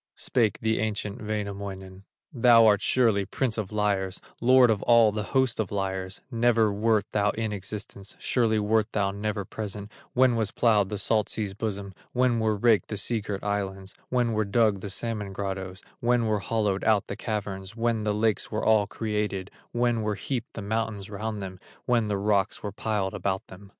Spake the ancient Wainamoinen: "Thou art surely prince of liars, Lord of all the host of liars; Never wert thou in existence, Surely wert thou never present, When was plowed the salt sea's bosom, When were raked the sea girt islands, When were dug the salmon grottoes, When were hollowed out the caverns, When the lakes were all created, When were heaped the mountains round them, When the rocks were piled about them.